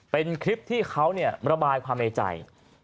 เป็นคลิปที่เขาระบายความในใจ